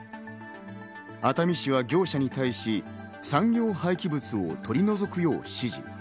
熱海市は業者に対し産業廃棄物を取り除くよう指示。